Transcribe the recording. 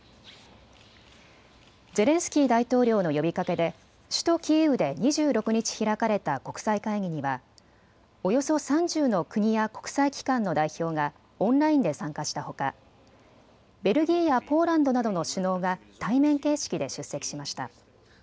ゼレンスキー大統領の呼びかけで首都キーウで２６日、開かれた国際会議にはおよそ３０の国や国際機関の代表がオンラインで参加したほかベルギーやポーランドなどの首脳が対面形式で出席しました。